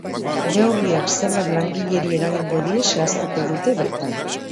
Neurriak zenbat langileri eragingo die zehaztuko dute bertan.